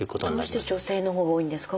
どうして女性のほうが多いんですか？